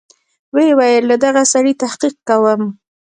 ويې ويل له دغه سړي تحقيق کوم.